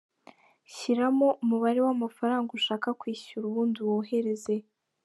Shyiramo umubare w'amafaranga ushaka kwishyura ubundi wohereze.